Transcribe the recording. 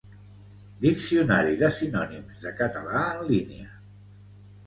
Diccionari de sinònims de català en línia.